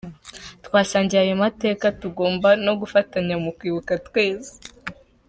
Twasangiye ayo mateka, tugomba no gufatanya mu kwibuka twese.